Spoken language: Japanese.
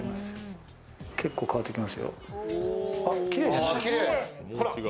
結構変わってきますよ。